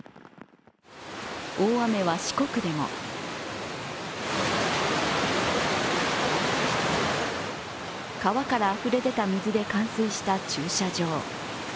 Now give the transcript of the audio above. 大雨は四国でも川からあふれ出た水で冠水した駐車場。